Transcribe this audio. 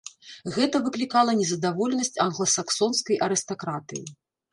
Гэта выклікала незадаволенасць англасаксонскай арыстакратыі.